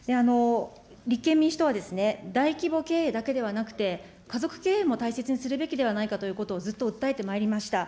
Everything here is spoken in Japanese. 立憲民主党は、大規模経営だけではなくて、家族経営も大切にすべきではないかということをずっと訴えてまいりました。